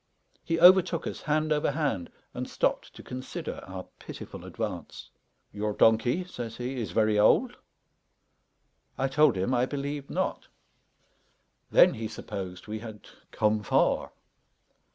He overtook us hand over hand, and stopped to consider our pitiful advance. "Your donkey," says he, "is very old?" I told him, I believed not. Then, he supposed, we had come far.